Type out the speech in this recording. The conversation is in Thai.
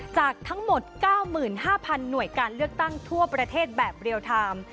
จากทั้งหมด๙๕๐๐หน่วยการเลือกตั้งทั่วประเทศแบบเรียลไทม์